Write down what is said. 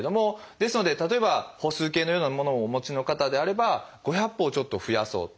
ですので例えば歩数計のようなものをお持ちの方であれば５００歩をちょっと増やそう。